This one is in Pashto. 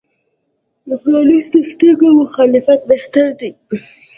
د پرانیستو سترګو مخالفت بهتر دی.